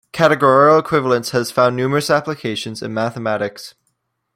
Categorical equivalence has found numerous applications in mathematics.